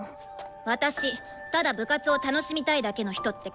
私ただ部活を楽しみたいだけの人って嫌いなの。